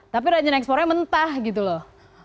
tapi rajin ekspornya mentah gitu loh